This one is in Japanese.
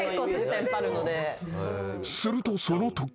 ［するとそのとき］